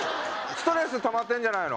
ストレスたまってんじゃないの？